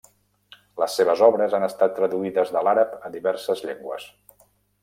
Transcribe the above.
Les seves obres han estat traduïdes de l'àrab a diverses llengües.